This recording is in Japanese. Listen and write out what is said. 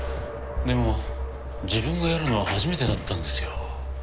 でも自分がやるのは初めてだったんですよ。